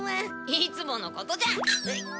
いつものことじゃん！